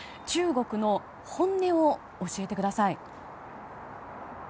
中国の本音を教えてください。